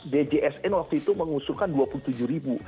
dgsn waktu itu mengusurkan rp dua puluh tujuh